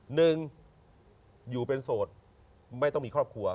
หนึ่งอยู่เป็นโสดไม่ต้องมีครอบครัว